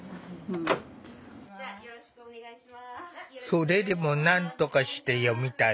それでもなんとかして読みたい。